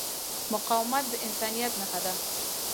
مقاومت د انسانیت نښه ده.